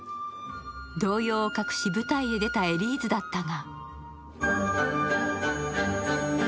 動揺を隠し、舞台へ出たエリーズだったが。